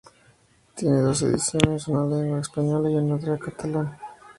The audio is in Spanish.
Tiene dos ediciones, una en lengua española y otra en catalán.